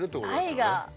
愛が。